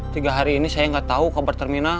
tiga hari ini saya nggak tahu kabar terminal